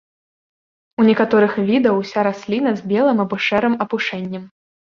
У некаторых відаў уся раліна з белым або шэрым апушэннем.